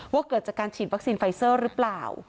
ว่าเกิดจากการฉีดวัคซีนไฟเซอร์หรือเปล่า